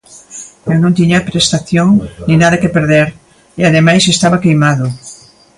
"Eu non tiña prestación nin nada que perder" e ademais, "estaba queimado".